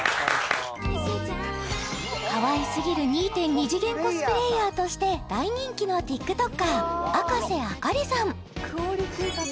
かわいすぎる２．２次元コスプレイヤーとして大人気のＴｉｋＴｏｋｅｒあかせあかりさん